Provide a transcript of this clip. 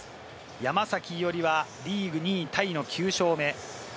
山崎伊織はリーグ２位タイの９勝目。